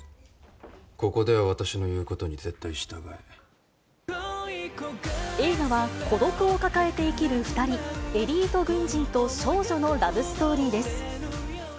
ここでは私の言うことに絶対映画は、孤独を抱えて生きる２人、エリート軍人と少女のラブストーリーです。